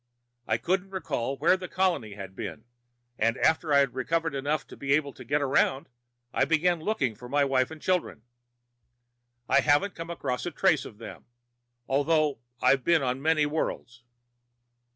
I couldn't recall where the colony had been, and after I had recovered enough to be able to get around, I began looking for my wife and children. I haven't come across a trace of them, although I've been on many worlds."